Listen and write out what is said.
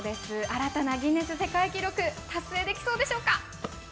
新たなギネス世界記録達成できそうでしょうか。